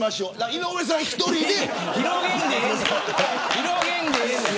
井上さん１人で。